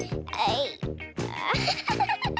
あアハハハハ。